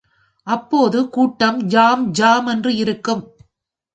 அப்போது கூட்டம் ஜாம் ஜாம் என்று இருக்கும்.